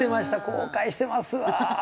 後悔してますわ。